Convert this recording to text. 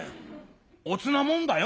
おつなもんだよ？」。